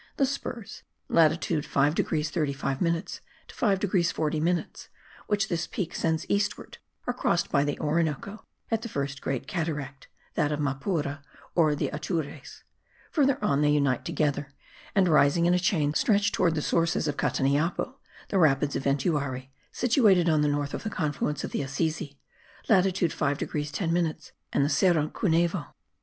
The spurs (latitude 5 degrees 35 minutes to 5 degrees 40 minutes) which this peak sends eastward are crossed by the Orinoco in the first Great Cataract (that of Mapura or the Atures); further on they unite together and, rising in a chain, stretch towards the sources of the Cataniapo, the rapids of Ventuari, situated on the north of the confluence of the Asisi (latitude 5 degrees 10 minutes) and the Cerro Cunevo.